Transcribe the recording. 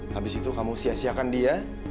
habis itu kamu sia siakan dia